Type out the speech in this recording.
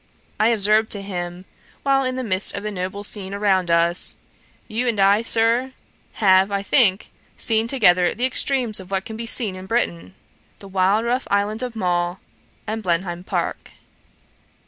I observed to him, while in the midst of the noble scene around us, 'You and I, Sir, have, I think, seen together the extremes of what can be seen in Britain: the wild rough island of Mull, and Blenheim park.'